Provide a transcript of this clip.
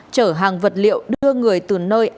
trở hàng vật liệu đưa người từ nơi